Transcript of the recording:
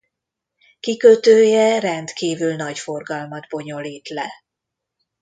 Kikötője rendkívül nagy forgalmat bonyolít le.